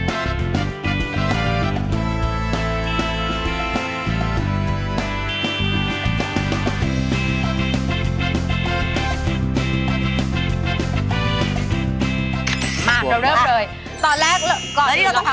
ใช่น้ำมะพร้าวก็น้ำตาลมะพร้าวด้วยครับ